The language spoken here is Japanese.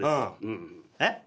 えっ？